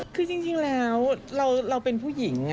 คือจริงแล้วเราเป็นผู้หญิง